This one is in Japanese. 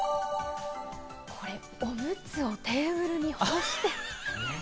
これ、おむつをテーブルに干して。